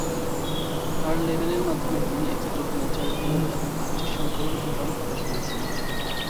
তার লেবেলের মাধ্যমে তিনি একটি ডকুমেন্টারি ফিল্ম এবং আটটি সংকলন অ্যালবাম প্রকাশ করেছেন।